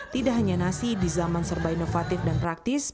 tidak hanya nasi di zaman serba inovatif dan praktis